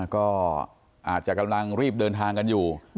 ก็อาจจะกำลังรีบเดินทางกันอยู่